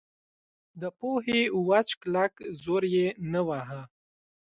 د پوهې وچ کلک زور یې نه واهه.